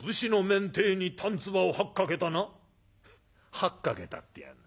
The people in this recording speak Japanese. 『吐っかけた』ってやがる。